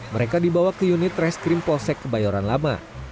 mereka dibawa ke unit reskrim polsek kebayoran lama